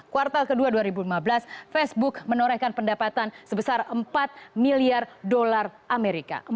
kuartal ke dua dua ribu lima belas facebook menorehkan pendapatan sebesar empat miliar dolar amerika